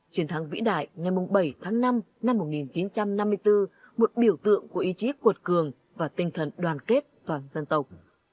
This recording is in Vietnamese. chiến thắng vĩ đại ngày bảy tháng năm năm một nghìn chín trăm năm mươi bốn một biểu tượng của ý chí cuột cường và tinh thần đoàn kết toàn dân tộc